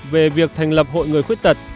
về việc thành lập hội người khuyết tật